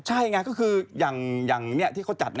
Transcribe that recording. ใช่ไงก็คืออย่างที่เขาจัด